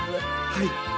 はい。